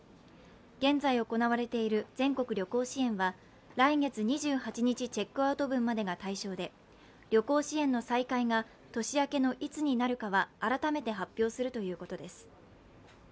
現在行われている全国旅行支援は来月２８日チェックアウト分までが対象で、旅行支援の再開が年明けのいつになるかは改めて発表するということです。